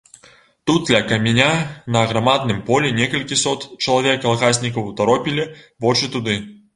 Тут ля каменя на аграмадным полі некалькі сот чалавек калгаснікаў утаропілі вочы туды.